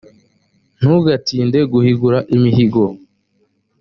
ntugatinde guhigura imihigo